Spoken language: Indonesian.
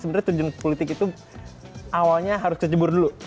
sebenarnya terjun politik itu awalnya harus kecebur dulu